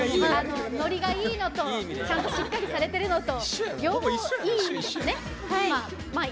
ノリがいいのと、ちゃんとしっかりされてるのと両方いい意味ですね。